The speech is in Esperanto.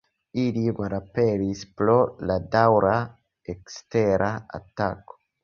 Ili malaperis pro la daŭra ekstera atako.